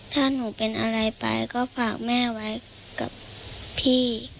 ถ้าหนูเป็นอะไรไปก็ฝากแม่ไว้กับพี่